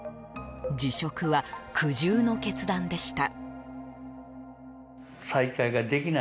辞職は苦渋の決断でした。